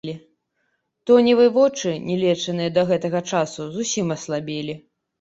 Тоневы вочы, не лечаныя да гэтага часу, зусім аслабелі.